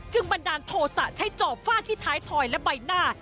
บันดาลโทษะใช้จอบฟาดที่ท้ายถอยและใบหน้า